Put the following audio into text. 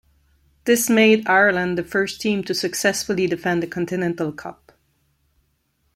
This made Ireland the first team to successfully defend the Continental Cup.